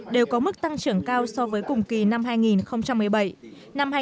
đều có mức tăng trưởng cao so với cùng kỳ năm hai nghìn một mươi bảy